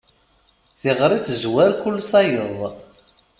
Tiɣri tezwar kul tayeḍ.